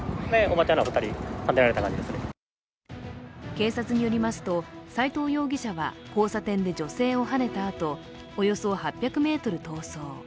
警察によりますと、斎藤容疑者は交差点で女性をはねたあと、およそ８００ｍ逃走。